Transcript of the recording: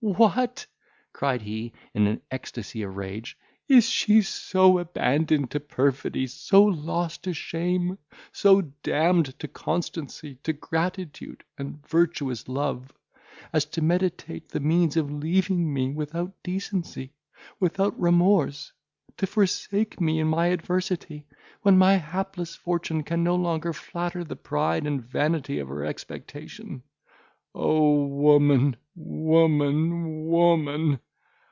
"What!" cried he, in an ecstasy of rage, "is she so abandoned to perfidy, so lost to shame, so damned to constancy, to gratitude, and virtuous love, as to meditate the means of leaving me without decency, without remorse! to forsake me in my adversity, when my hapless fortune can no longer flatter the pride and vanity of her expectation! O woman! woman! woman!